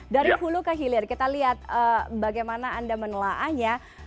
dari hulu ke hilir kita lihat bagaimana anda menelaahnya